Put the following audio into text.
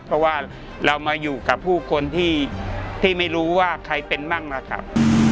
เพราะว่าเรามาอยู่กับผู้คนที่ไม่รู้ว่าใครเป็นมั่งนะครับ